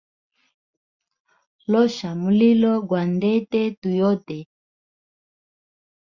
Losha mulilo gwa ndete tu yote.